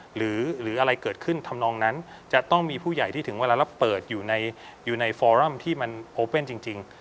หรืออะไรเกิดขึ้นทำนองนั้นจะต้องมีผู้ใหญ่ที่ถึงเวลาแล้วเปิดอยู่ในฟอรัมที่มันโอเว่นจริง